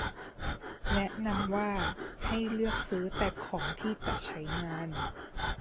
แนะนำว่า ให้เลือกซื้อแต่ของที่จะใช้งาน